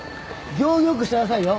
行儀よくしてなさいよ。